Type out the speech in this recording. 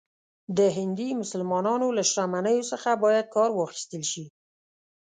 د هندي مسلمانانو له شتمنیو څخه باید کار واخیستل شي.